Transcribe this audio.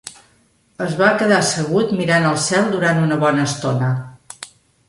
Es va quedar assegut mirant el cel durant una bona estona.